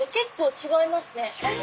違いますね。